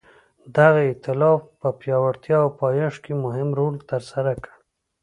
دغه ایتلاف په پیاوړتیا او پایښت کې مهم رول ترسره کړ.